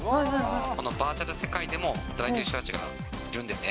このバーチャル世界でも働いてる人たちがいるんですね。